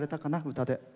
歌で。